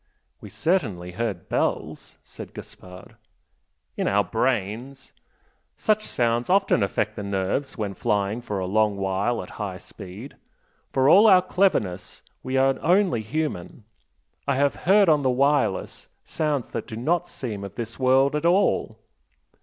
"We certainly heard bells" said Gaspard. "In our brains! Such sounds often affect the nerves when flying for a long while at high speed. For all our cleverness we are only human. I have heard on the 'wireless,' sounds that do not seem of this world at all."